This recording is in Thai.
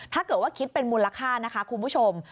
ถ้าเกิดว่าคิดเป็นมูลค่านะคะคุณผู้ชม